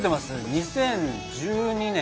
２０１２年。